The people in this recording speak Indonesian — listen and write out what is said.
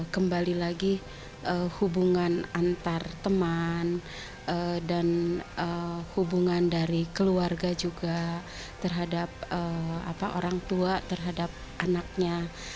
kembali lagi hubungan antar teman dan hubungan dari keluarga juga terhadap orang tua terhadap anaknya